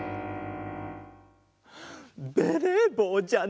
ベレーぼうじゃない！